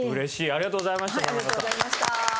ありがとうございます。